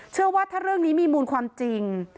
เชื่อว่าถ้าเรื่องนี้มีมูลความจริง